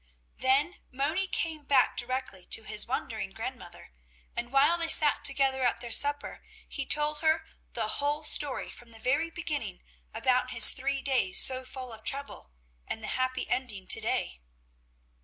Then Moni came back directly to his wondering grandmother, and while they sat together at their supper, he told her the whole story from the very beginning about his three days so full of trouble, and the happy ending to day.